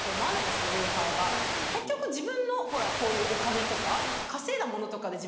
結局自分のほらこういうお金とか。